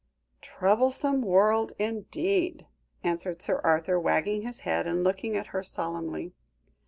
"Troublesome world, indeed," answered Sir Arthur, wagging his head and looking at her solemnly.